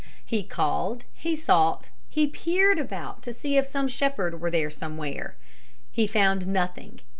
He called, he sought, he peered about to see if some shepherd were there somewhere. He found nothing.